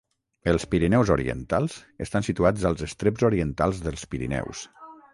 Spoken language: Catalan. Els Pirineus Orientals estan situats als estreps orientals dels Pirineus